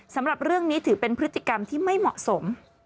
สำหรับเรื่องนี้ถือเป็นพฤติกรรมที่ไม่เหมาะสม